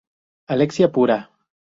Alexia pura.